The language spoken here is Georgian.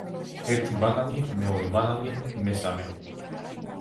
ერთი ბანანი, მეორე ბანანი, მესამე.